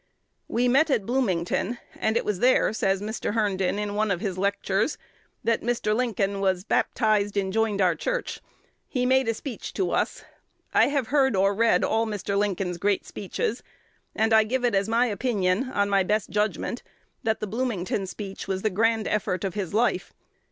"We met at Bloomington; and it was there," says Mr. Herndon in one of his lectures, "that Mr. Lincoln was baptized, and joined our church. He made a speech to us. I have heard or read all Mr. Lincoln's great speeches; and I give it as my opinion, on my best judgment, that the Bloomington speech was the grand effort of his life.